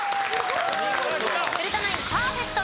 古田ナインパーフェクト。